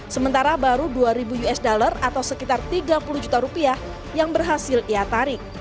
sementara baru dua ribu usd atau sekitar tiga puluh juta rupiah yang berhasil ia tarik